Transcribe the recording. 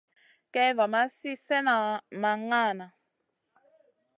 Kay va ma li slèhna ma ŋahna.